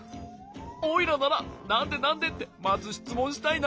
おいらなら「なんで？なんで？」ってまずしつもんしたいな。